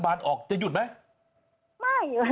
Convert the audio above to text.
สามสิบบอโอเคไหม